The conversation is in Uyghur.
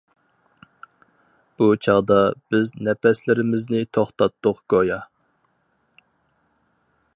بۇ چاغدا بىز نەپەسلىرىمىزنى توختاتتۇق گويا.